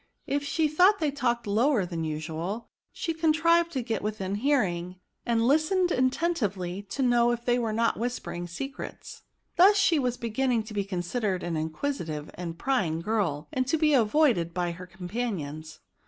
If she thought they talked lower than usual, she contrived to get within hearing, and listened attentively to know if they were not whispering secrets ; thus she was beginning to be considered as an inquisitive and piying girl, and to be avoided by her companions.